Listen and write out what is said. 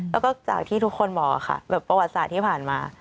แล้วก็จากที่ทุกคนบอกค่ะแบบประวัติศาสตร์ที่ผ่านมา